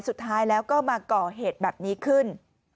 สุดท้ายแล้วก็มาก่อเหตุแบบนี้ขึ้น